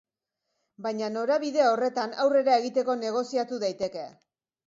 Baina norabide horretan aurrera egiteko negoziatu daiteke.